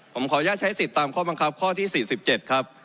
ผมขออนุญาตใช้สิทธิ์ตามข้อบังคับข้อที่๔๗ครับ